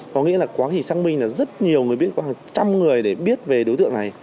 có nghĩa là quá trình xác minh là rất nhiều người biết có hàng trăm người để biết về đối tượng này